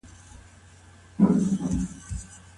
علمي سیمینار بې له ځنډه نه پیلیږي.